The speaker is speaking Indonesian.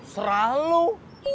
saya suruh aja